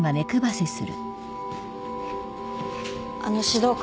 あの指導官。